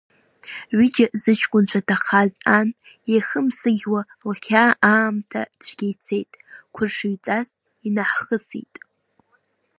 Ҩыџьа зыҷкәынцәа ҭахаз ан еихымсыӷьуа лхьаа аамҭа цәгьа цеит, қәаршыҩҵас инаҳхысит.